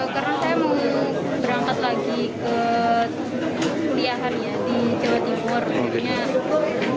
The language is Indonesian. karena saya mau berangkat lagi ke kuliah hari ya di jawa timur